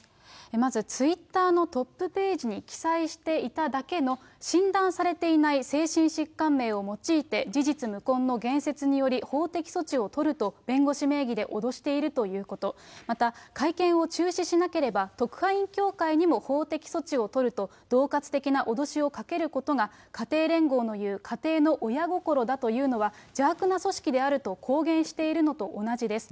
まずツイッターのトップページに記載していただけの、診断されていない精神疾患名を用いて、事実無根の言説により法的措置を取ると弁護士名義で脅しているということ、また、会見を中止しなければ、特派員協会にも法的措置を取ると、どう喝的な脅しをかけることが家庭連合の言う家庭の親心だというのは、邪悪な組織であると公言しているのと同じです。